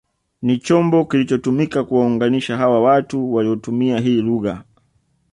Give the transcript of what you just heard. Ni chombo kilichotumika kuwaunganisha hawa watu waliotumia hii lugha